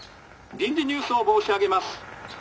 「臨時ニュースを申し上げます。